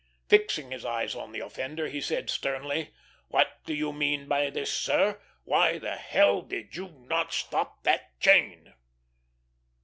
Fixing his eyes on the offender, he said, sternly, "What do you mean by this, sir? Why the h l did you not stop that chain?"